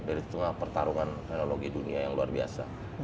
dari tengah pertarungan teknologi dunia yang luar biasa